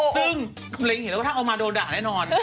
ซึ่งเห็นว่าถ้าเอามาเราก็โดด่าแน่นอน